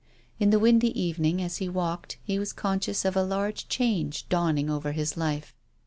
In the windy evening as he walked, he was con scious of a large change dawning over his life.